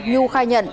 nhu khai nhận